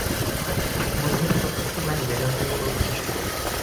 বুদ্ধের প্রত্যেকটি বাণী বেদান্তের উপর প্রতিষ্ঠিত।